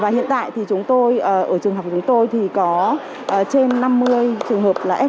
hiện tại thì chúng tôi ở trường học của chúng tôi thì có trên năm mươi trường hợp là f